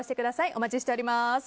お待ちしております。